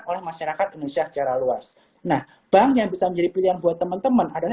oleh masyarakat indonesia secara luas nah bank yang bisa menjadi pilihan buat teman teman adalah